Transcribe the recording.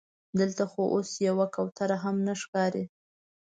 دلته خو اوس یوه کوتره هم نه ښکاري.